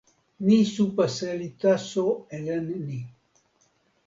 mi supa seli taso e len ni.